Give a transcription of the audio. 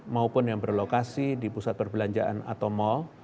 maupun yang berlokasi di pusat perbelanjaan atau mal